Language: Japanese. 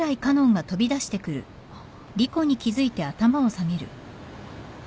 あっ。